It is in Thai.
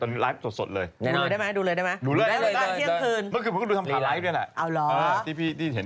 ตอนนี้ไลน์ไทยรัฐโอฟิเชียลสดเลย